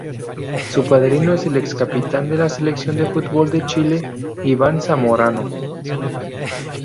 Su padrino es el ex-capitán de la selección de fútbol de Chile, Iván Zamorano.